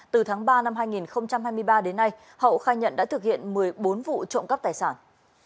từ tháng ba năm hai nghìn hai mươi ba đến nay hậu khai nhận đã thực hiện một mươi bốn vụ trộm cắp tài sản